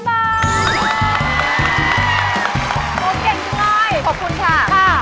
โกรธเก่งจริงขอบคุณค่ะ